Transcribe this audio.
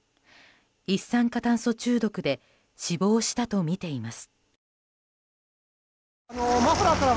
一酸化炭素中毒で死亡したとみています。